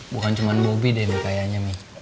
bukan cuma bopi deh nih kayaknya mi